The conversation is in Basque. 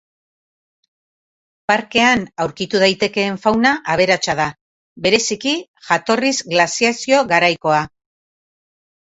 Parkean aurkitu daitekeen fauna aberatsa da, bereziki jatorriz glaziazio garaikoa.